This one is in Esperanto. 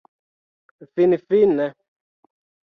finfine